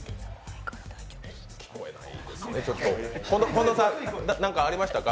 近藤さん、何かありましたか？